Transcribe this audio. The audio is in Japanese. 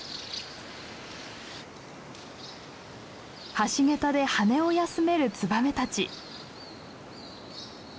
橋桁で羽を休めるツバメたち。